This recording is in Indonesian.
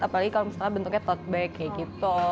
apalagi kalau misalnya bentuknya tote bag kayak gitu